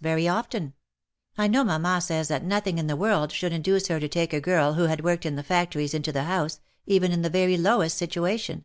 very often, I know mamma says that nothing in the world should induce her to take a girl who had worked in the fac tories into the house, even in the very lowest situation.